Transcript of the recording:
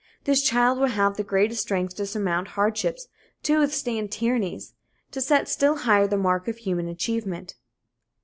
This child will have the greatest strength to surmount hardships, to withstand tyrannies, to set still higher the mark of human achievement.